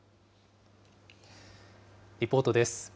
リポートです。